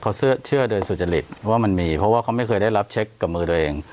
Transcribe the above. เขาเชื่อโดยสุจริตว่ามันมีเพราะว่าเขาไม่เคยได้รับเช็คกับมือตัวเอง